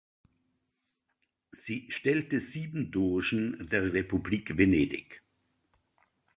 Sie stellte sieben Dogen der Republik Venedig.